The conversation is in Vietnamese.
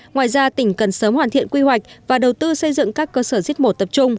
ngoài ra tỉnh cần sớm hoàn thiện quy hoạch và đầu tư xây dựng các cơ sở giết mổ tập trung